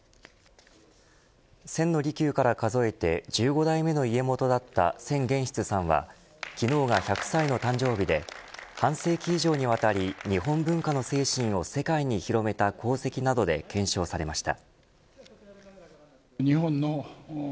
千利休から数えて１５代目の家元だった千玄室さんは昨日が１００歳の誕生日で半世紀以上にわたり日本文化の精神を世界に広めた功績などで顕彰されました。